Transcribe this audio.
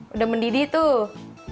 udah mendidih tuh